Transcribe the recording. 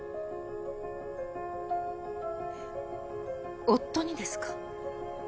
え夫にですか？